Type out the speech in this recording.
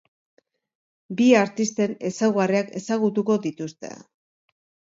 Bi artisten ezaugarriak ezagutuko dituzte.